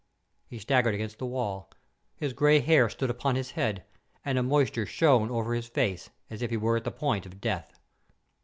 He staggered against the wall. His grey hair stood upon his head, and a moisture shone over his face, as if he were at the point of death.